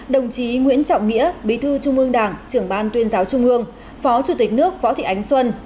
đồng chí nguyễn trọng nghĩa bí thư trung ương đảng trưởng ban tuyên giáo trung ương phó chủ tịch nước võ thị ánh xuân